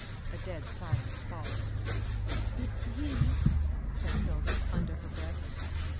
A dead silence followed. " It's he I " said Hilda, under her breath.